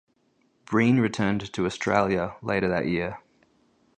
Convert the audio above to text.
Breen returned to Australia later that year.